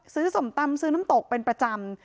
ส้มตำซื้อน้ำตกเป็นประจำ